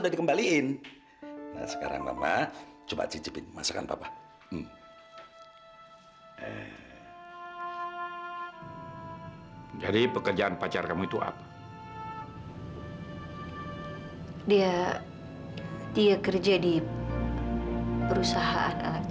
dian mau mungkink papanya pulang kan